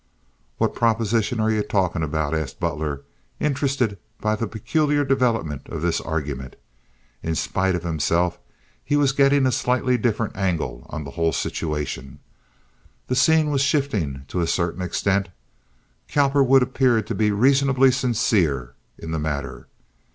"What proposition are ye talkin' about?" asked Butler, interested by the peculiar developments of this argument. In spite of himself he was getting a slightly different angle on the whole situation. The scene was shifting to a certain extent. Cowperwood appeared to be reasonably sincere in the matter.